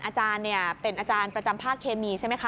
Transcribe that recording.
อาจารย์เป็นอาจารย์ประจำภาคเคมีใช่ไหมคะ